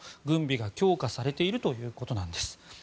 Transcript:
軍備が強化されているということです。